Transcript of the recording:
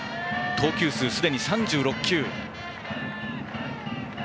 投球数すでに３６球。